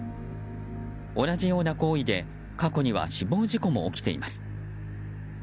同じような行為で過去には死亡事故も起きています。